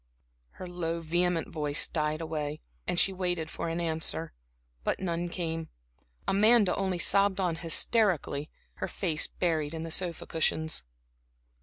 Her low, vehement voice died away, and she waited for an answer; but none came. Amanda only sobbed on hysterically, her face buried in the sofa cushions.